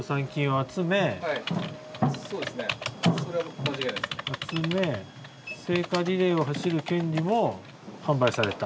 「集め聖火リレーを走る権利も販売された」。